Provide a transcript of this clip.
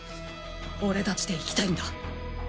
俺たちで行きたいんだ！